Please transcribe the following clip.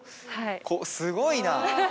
すごいな！